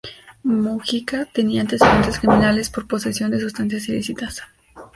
Mojica tenía antecedentes criminales por posesión de sustancias ilícitas.